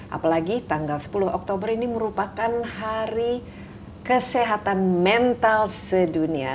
apalagi tanggal sepuluh oktober ini merupakan hari kesehatan mental sedunia